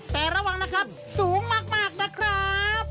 แต่ระวังนะครับสูงมากนะครับ